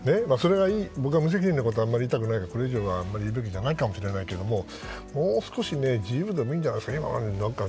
僕は無責任なことはあまり言いたくないからこれ以上は言うべきじゃないかもしれないけどももう少し自由でもいいんじゃないですか？